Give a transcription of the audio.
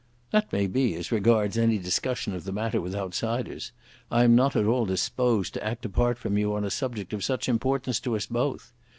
"That may be, as regards any discussion of the matter with outsiders. I am not at all disposed to act apart from you on a subject of such importance to us both.